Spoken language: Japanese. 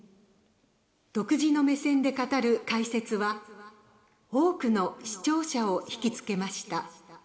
独自の目線で語る解説は多くの視聴者を引きつけました。